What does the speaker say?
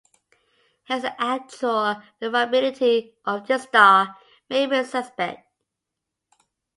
Hence the actual variability of this star may be suspect.